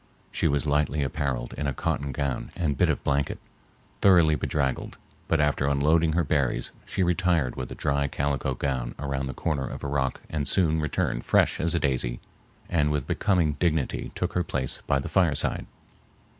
She was lightly appareled in a cotton gown and bit of blanket, thoroughly bedraggled, but after unloading her berries she retired with a dry calico gown around the corner of a rock and soon returned fresh as a daisy and with becoming dignity took her place by the fireside.